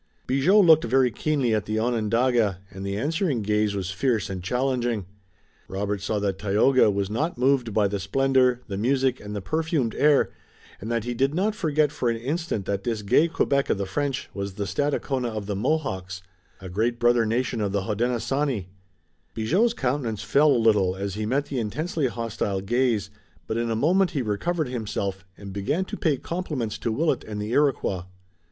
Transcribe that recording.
Bigot looked very keenly at the Onondaga, and the answering gaze was fierce and challenging. Robert saw that Tayoga was not moved by the splendor, the music and the perfumed air, and that he did not forget for an instant that this gay Quebec of the French was the Stadacona of the Mohawks, a great brother nation of the Hodenosaunee. Bigot's countenance fell a little as he met the intensely hostile gaze, but in a moment he recovered himself and began to pay compliments to Willet and the Iroquois.